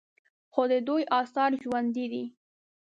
خو د دوی آثار ژوندي دي